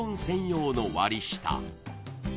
専用の割り下